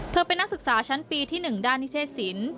เป็นนักศึกษาชั้นปีที่๑ด้านนิเทศศิลป์